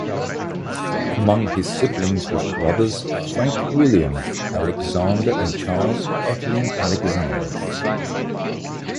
Among his siblings was brothers Frank William Alexander and Charles Elting Alexander.